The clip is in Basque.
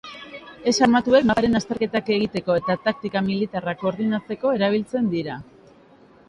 Ez-armatuak maparen azterketak egiteko eta taktika militarrak koordinatzeko erabiltzen dira.